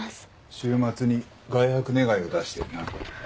週末に外泊願を出してるな。